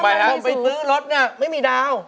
ถ้าไปซื้อรถเนี่ยไม่มีดาว